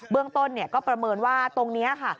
เบื้องต้นเนี่ยก็ประเมินว่าตรงเนี่ยค่ะ